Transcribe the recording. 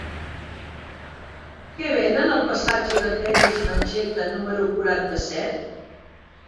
Què venen al passatge de Peris i Mencheta número quaranta-set?